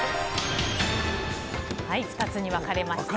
２つに分かれました。